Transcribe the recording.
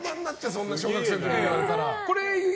そんなの小学生の時に言われたら。